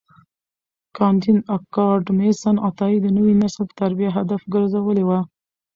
کانديد اکاډميسن عطایي د نوي نسل تربیه هدف ګرځولي وه.